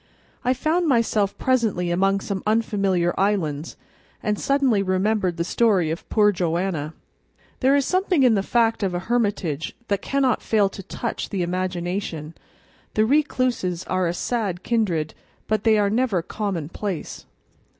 I found myself presently among some unfamiliar islands, and suddenly remembered the story of poor Joanna. There is something in the fact of a hermitage that cannot fail to touch the imagination; the recluses are a sad kindred, but they are never commonplace.